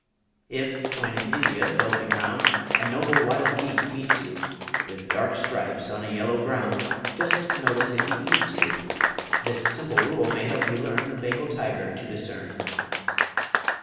If, when in India loafing round, A noble wild beast meets you, With dark stripes on a yellow ground, Just notice if he eats you. This simple rule may help you learn The Bengal Tiger to discern.